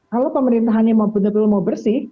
kalau pemerintahannya mau bersih